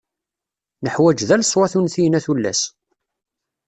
Neḥwaǧ da leṣwat untiyen a tullas!